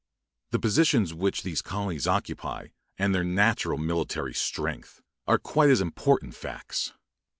The positions which these colonies occupy, and their natural military strength, are quite as important facts.